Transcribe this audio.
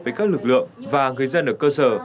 với các lực lượng và người dân ở cơ sở